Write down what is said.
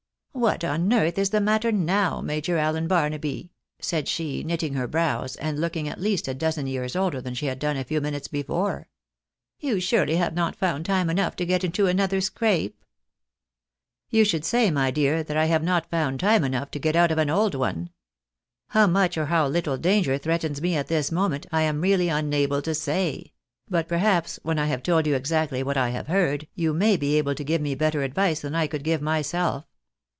"What on earth is the matter now. Major Alien Barnaby?" said she, knitting her brows, and looking at least a dozen years older than she had done a few minutes before. " You surely haye not found time enough to get into another scrape ?"" You should say, my dear, that I have not found time enough to get out of an old one. How much or how little danger threatens me at this moment, I am really imable to say ; but perhaps when I have told you exactly what I have heard, you may be able to give me better advice than I could give myself.